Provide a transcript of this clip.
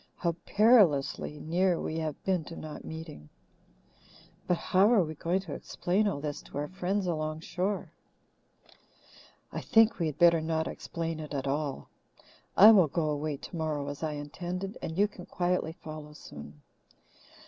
How perilously near we have been to not meeting! But how are we going to explain all this to our friends along shore?" "I think we had better not explain it at all. I will go away tomorrow, as I intended, and you can quietly follow soon.